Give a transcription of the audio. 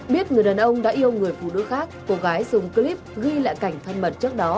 biết người đàn ông đã yêu người phụ nữ khác cô gái dùng clip ghi lại cảnh thân mật trước đó